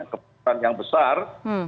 kebocoran yang besar